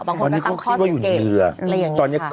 บางคนก็ตั้งข้อสังเกตอะไรอย่างนี้ค่ะตอนนี้เขาคิดว่าอยู่ในเรือ